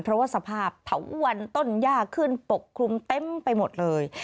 เพราะว่าสภาพเถาวันต้นยากขึ้นปกคลุมเต็มไปหมดเลย